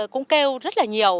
cũng kêu rất là nhiều